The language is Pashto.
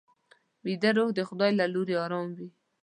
ویده روح د خدای له لوري ارام وي